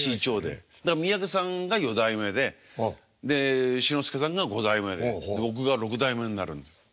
だから三宅さんが４代目で志の輔さんが５代目で僕が６代目になるんです。